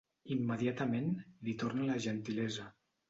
Immediatament li torna la gentilesa.